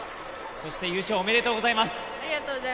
そして優勝おめでとうございます。